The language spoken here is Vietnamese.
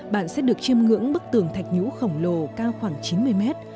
bạn sẽ được chiêm ngưỡng bức tường thạch nhũ khổng lồ cao khoảng chín mươi mét